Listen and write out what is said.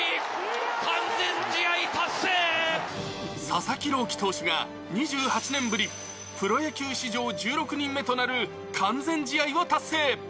佐々木朗希投手が、２８年ぶり、プロ野球史上１６人目となる完全試合を達成。